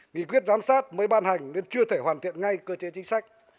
nghị quyết giám sát mới ban hành nên chưa thể hoàn thiện ngay cơ chế chính sách